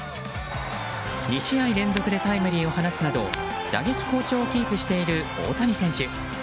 ２試合連続でタイムリーを放つなど打撃好調をキープしている大谷選手。